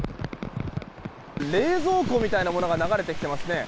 冷蔵庫みたいなものが流れてきていますね。